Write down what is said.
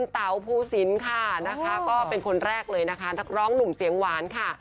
เต๋าภูสินค่ะนะคะก็เป็นคนแรกเลยนะคะนักร้องหนุ่มเสียงหวานค่ะ